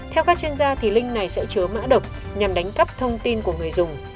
theo các chuyên gia link này sẽ chứa mã độc nhằm đánh cắp thông tin của người dùng